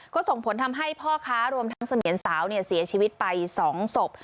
ก็ส่งผลทำให้พ่อค้ารวมทั้งเสมียนสาวเสียชีวิตไป๒ศพ